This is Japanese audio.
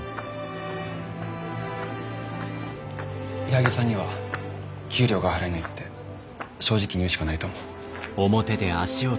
・矢作さんには給料が払えないって正直に言うしかないと思う。